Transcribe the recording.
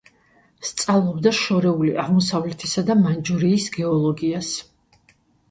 სწავლობდა შორეული აღმოსავლეთისა და მანჯურიის გეოლოგიას.